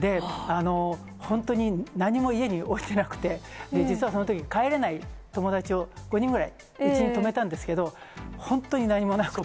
本当に何も家に置いてなくて、実はそのとき、帰れない友達を５人ぐらい、うちに泊めたんですけれども、本当に何もなくて。